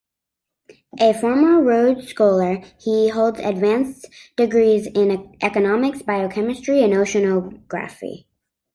A former Rhodes Scholar, he holds advanced degrees in economics, biochemistry, and oceanography.